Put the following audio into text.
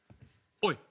おい！